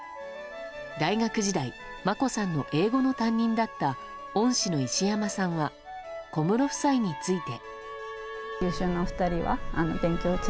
大学時代眞子さんの英語の担任だった恩師の石山さんは小室夫妻について。